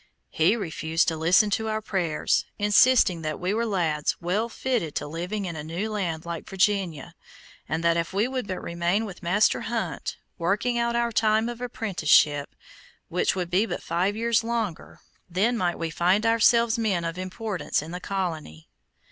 He refused to listen to our prayers, insisting that we were lads well fitted to live in a new land like Virginia, and that if we would but remain with Master Hunt, working out our time of apprenticeship, which would be but five years longer, then might we find ourselves men of importance in the colony.